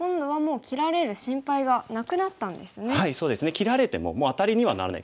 切られてももうアタリにはならない。